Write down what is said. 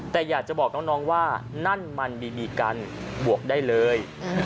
แต่อยากจะบอกน้องว่านั่นมันบีบีกันบวกได้เลย